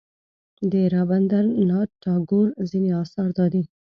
د رابندر ناته ټاګور ځینې اثار دادي.